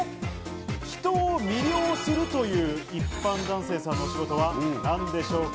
人を魅了するという一般男性さんの仕事は何でしょうか？